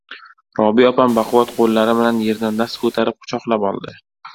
Robi opam baquvvat qoilari bilan yerdan dast ko‘tarib quchoqlab oldi.